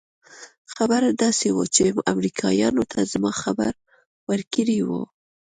خبره داسې وه چې چا امريکايانو ته زما خبر ورکړى و.